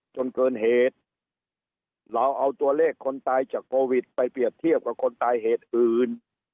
จนเกินเหตุเราเอาตัวเลขคนตายจากโควิดไปเปรียบเทียบกับคนตายเหตุอื่น